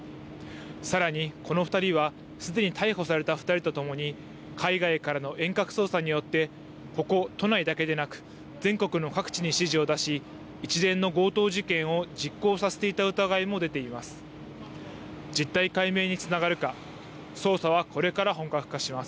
さらにこの２人は、すでに逮捕された２人とともに、海外からの遠隔操作によって、ここ都内だけでなく、全国の各地に指示を出し、一連の強盗事件を実行させていた疑いも出ています。